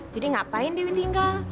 jadi ngapain dewi tinggal